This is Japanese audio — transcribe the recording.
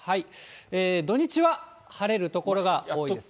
土日は晴れる所が多いですね。